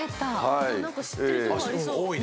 知ってるとこありそう。